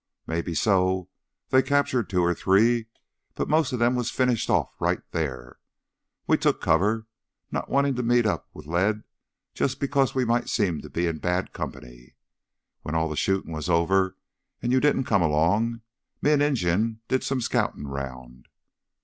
Maybe so, they captured two or three, but most of them was finished off right theah. We took cover, not wantin' to meet up with lead jus' because we might seem to be in bad company. When all the shootin' was over an' you didn't come 'long, me and Injun did some scoutin' 'round.